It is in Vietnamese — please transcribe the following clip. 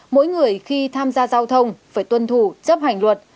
mỗi người khi tham gia giao thông phải tuân thủ chấp hành luật